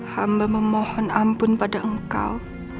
hamba memohon ampun pada engkau